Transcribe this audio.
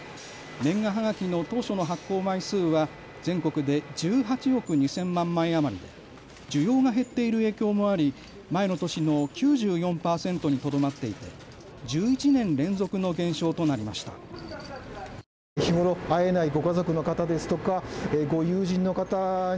年賀はがきの当初の発行枚数は全国で１８億２０００万枚余りで需要が減っている影響もあり前の年の９４％にとどまっていて１１年連続の減少となりました。